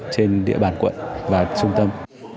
trên địa bàn quận và trung tâm